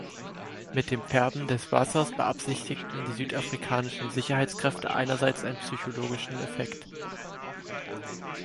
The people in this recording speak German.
Mit dem Färben des Wassers beabsichtigten die südafrikanischen Sicherheitskräfte einerseits einen psychologischen Effekt.